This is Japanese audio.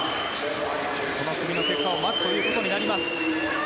この組の結果を待つことになります。